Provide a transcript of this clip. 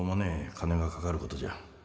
金がかかることじゃ。